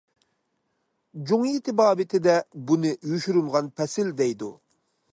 جۇڭيى تېبابىتىدە بۇنى يوشۇرۇنغان پەسىل دەيدۇ.